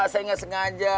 saya gak sengaja